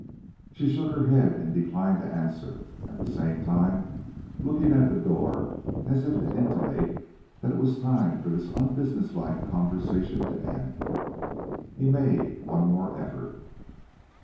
She shook her head, and declined to answer, at the same time looking at the door as if to intimate that it was time for this unbusinesslike conversation to end. He made one more effort.